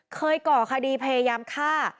ก่อคดีพยายามฆ่า